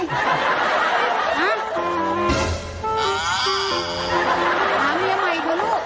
มาดูมันเป็นไง